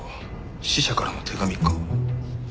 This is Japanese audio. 死者からの手紙か。